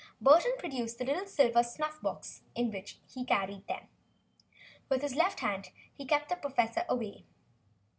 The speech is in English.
Burton produced the little silver snuff box in which he carried them. With his left hand he kept the professor away.